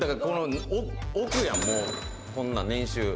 億やん、もうこんなん年収。